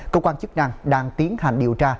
cơ quan chức năng đang tiến hành điều tra